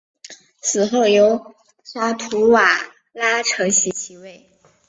死后由沙图瓦拉承袭其位。